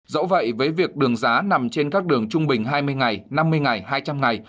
dẫu vậy với việc đường giá nằm trên các đường trung bình hai mươi ngày năm mươi ngày hai trăm linh ngày